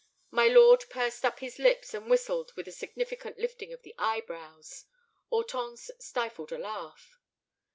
My lord pursed up his lips and whistled with a significant lifting of the eyebrows. Hortense stifled a laugh.